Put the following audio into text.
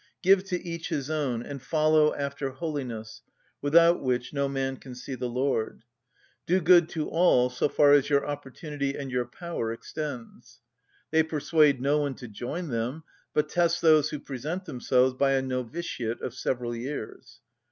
Give to each his own, and follow after holiness, without which no man can see the Lord. Do good to all so far as your opportunity and your power extends." They persuade no one to join them, but test those who present themselves by a novitiate of several years.